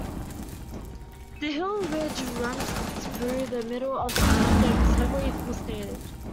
The hill ridge runs through the middle of the island and is heavily forested.